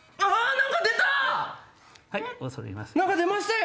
何か出ましたよ！